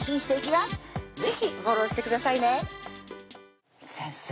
是非フォローしてくださいね先生